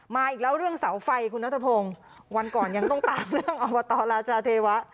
มาอีกแล้วเรื่องเสาไฟคุณนัทพงศ์วันก่อนยังต้องตามเรื่องอบตราจาเทวะ